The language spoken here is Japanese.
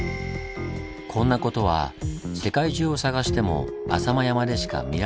こんなことは世界中を探しても浅間山でしか見られないんだとか。